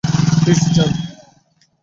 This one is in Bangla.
প্লিজ, যান।